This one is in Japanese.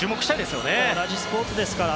同じスポーツですから。